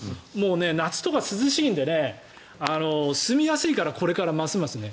夏とか涼しいので住みやすいからこれからますますね。